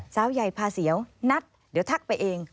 สาวใหญ่พาเสียวนัดเดี๋ยวทักไปเอง